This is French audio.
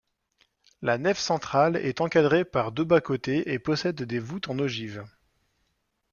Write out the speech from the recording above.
La nef centrale est encadrée par deux bas-côtés et possède des voûtes en ogive.